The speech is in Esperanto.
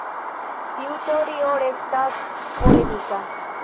Tiu teorio restas polemika.